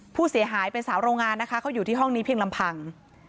ผู้เสียหายเป็นสาวโรงงานนะคะเขาอยู่ที่ห้องนี้เพียงลำพัง